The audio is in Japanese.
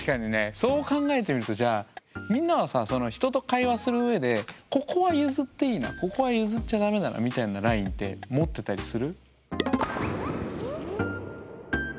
そう考えてみるとじゃあみんなはさ人と会話するうえでここは譲っていいなここは譲っちゃ駄目だなみたいなラインって持ってたりする？